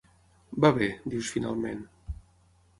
Va bé –dius finalment.